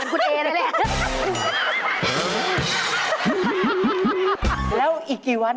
มึง